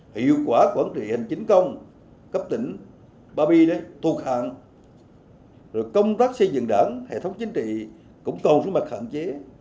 hiệu quả quản trị hành chính công cấp tỉnh ba bi thuộc hạng công tác xây dựng đảng hệ thống chính trị cũng còn xuống mặt hạn chế